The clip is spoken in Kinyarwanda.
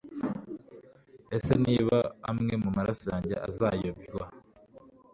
ese niba amwe mu maraso yange azayobywa